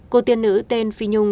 cô tiên nữ tên phi nhung